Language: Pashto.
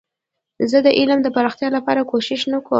زه د علم د پراختیا لپاره کوښښ نه کوم.